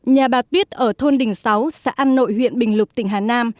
nhà bạc biết ở thôn đình sáu xã an nội huyện bình lục tỉnh hà nam